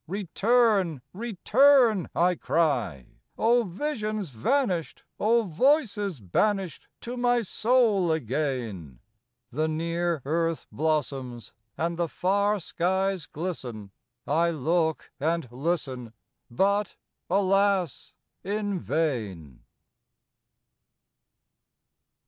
"Return! return!" I cry, "O visions vanished, O voices banished, to my soul again!" The near Earth blossoms and the far skies glisten, I look and listen, but, alas! in vain.